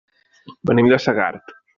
Venim de Segart.